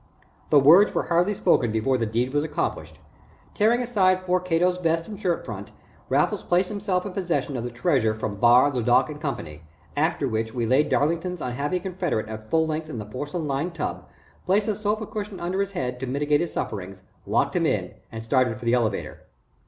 The words were hardly spoken before the deed was accomplished. Tearing aside poor Cato's vest and shirt front, Raffles placed himself in possession of the treasure from Bar, LeDuc & Co., after which we lay Darlington's unhappy confederate at full length in the porcelain lined tub, placed a sofa cushion under his head to mitigate his sufferings, locked him in, and started for the elevator.